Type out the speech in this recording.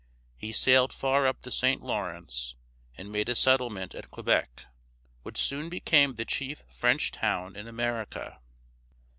He sailed far up the St. Lawrence, and made a settlement at Quebec, which soon became the chief French town in America.